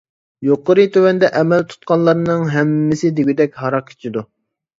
يۇقىرى تۆۋەندە ئەمەل تۇتقانلارنىڭ ھەممىسى دېگۈدەك ھاراق ئىچىدۇ.